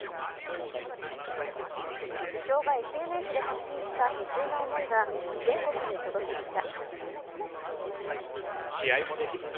主将がＳＮＳで発信した悲痛な思いが全国に届きました。